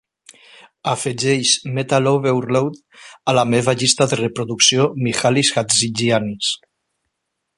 Afegeix "Metal Overload" a la meva llista de reproducció Mihalis Hatzigiannis.